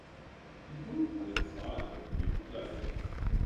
Die Unfallzahlen blieben gleich.